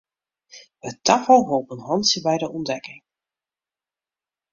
It tafal holp in hantsje by de ûntdekking.